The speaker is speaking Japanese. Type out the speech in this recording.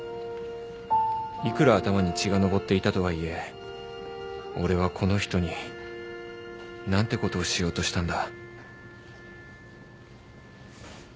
いくら頭に血が上っていたとはいえ俺はこの人に何てことをしようとしたんだ